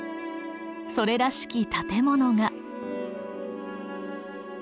それらしき建物が。